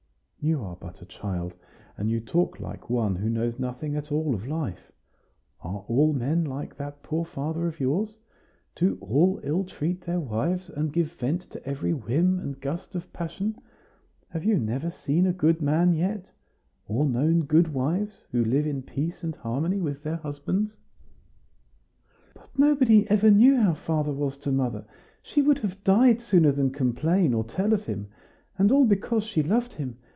"You are but a child, and you talk like one who knows nothing at all of life. Are all men like that poor father of yours? Do all ill treat their wives, and give vent to every whim and gust of passion? Have you never seen a good man yet? or known good wives, who live in peace and harmony with their husbands?" "But nobody ever knew how father was to mother; she would have died sooner than complain or tell of him, and all because she loved him.